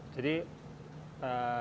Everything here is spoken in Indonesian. jadi itu refleksi bagi saya